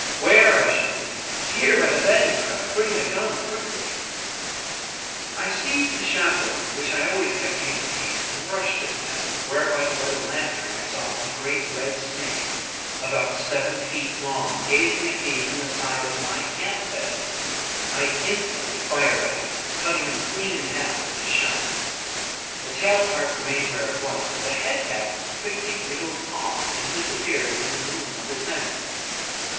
"Where?" I shouted. "Here by the bed," he cried, "Bring the gun, quickly." I seized the shot gun, which I always kept handy, and rushed to the tent, where, by the light of the lantern, I saw a great red snake, about seven feet long, gazing at me from the side of my camp bed. I instantly fired at him, cutting him clean in half with the shot; the tail part remained where it was, but the head half quickly wriggled off and disappeared in the gloom of the tent.